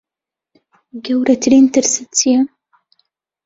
گەورەترین ترست چییە؟